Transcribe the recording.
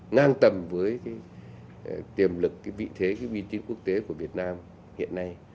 ngang tầm với cái tiềm lực cái vị thế cái uy tín quốc tế của việt nam hiện nay